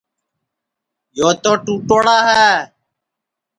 یو تو ٹُوٹوڑا ہے